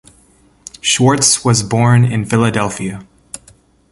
Schwartz was born in Philadelphia.